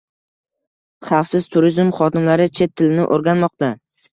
“Xavfsiz turizm” xodimlari chet tilini oʻrganmoqda